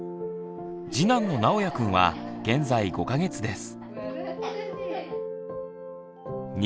次男のなおやくんは現在５か月です。